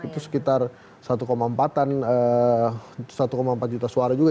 itu sekitar satu empat juta suara juga